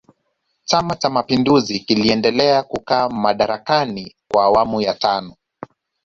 chama cha mapinduzi kiliendelea kukaa madarakani kwa awamu ya tano